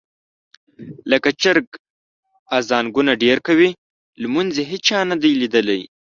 لکه چرګ اذانونه ډېر کوي لمونځ یې هېچا نه دي لیدلي.